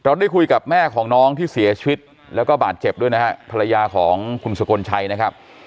ได้คุยกับแม่ของน้องที่เสียชีวิตแล้วก็บาดเจ็บด้วยนะฮะภรรยาของคุณสกลชัยนะครับ